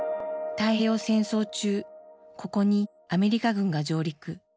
太平洋戦争中ここにアメリカ軍が上陸。